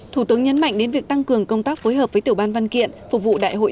thủ tướng nhấn mạnh đến việc tăng cường công tác phối hợp với tiểu ban văn kiện phục vụ đại hội